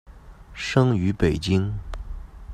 生于北京。